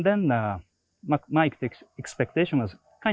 dan keharusan saya juga agak tinggi